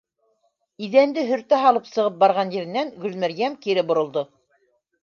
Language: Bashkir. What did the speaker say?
Иҙәнде һөртә һалып сығып барған еренән Гөлмәрйәм кире боролдо: